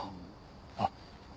あっ。